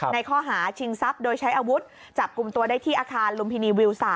ในข้อหาชิงทรัพย์โดยใช้อาวุธจับกลุ่มตัวได้ที่อาคารลุมพินีวิว๓